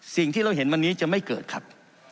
สิ่งที่เราเห็นวันนี้จะไม่เกิดครับ